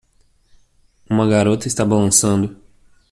Uma garota está balançando.